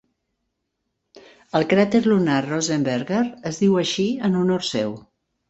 El cràter lunar Rosenberger es diu així en honor seu.